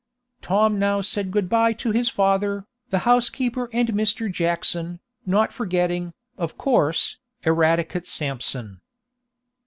Tom now said good by to his father, the housekeeper and Mr. Jackson, not forgetting, of course, Eradicate Sampson.